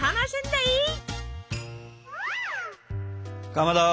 かまど。